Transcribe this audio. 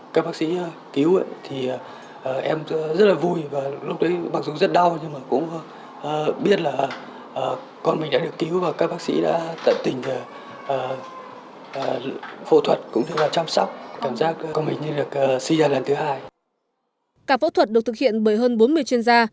cả phẫu thuật được thực hiện bởi hơn bốn mươi chuyên gia